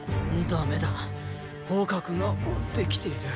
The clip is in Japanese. ダメだ蒲が追って来ている。